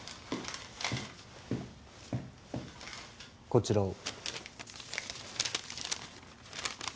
こちらを。